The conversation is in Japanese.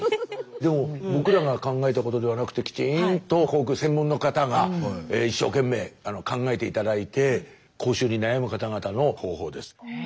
でも僕らが考えたことではなくてきちんと口腔専門の方が一生懸命考えて頂いて口臭に悩む方々の方法です。